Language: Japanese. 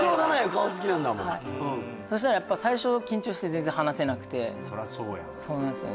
顔好きなんだもんそしたらやっぱ最初緊張して全然話せなくてそりゃそうやんそうなんですよね